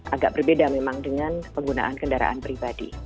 agak berbeda memang dengan penggunaan kendaraan pribadi